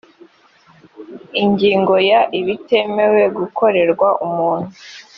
ingingo ya ibitemewe gukorerwa umuntu